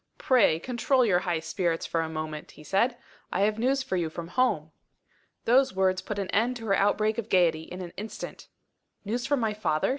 "Pray control your high spirits for a moment," he said. "I have news for you from home." Those words put an end to her outbreak of gaiety, in an instant. "News from my father?"